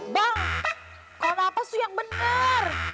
bang kau ngapain sih yang bener